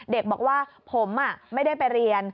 เด็กบอกว่าผมไม่ได้ไปเรียน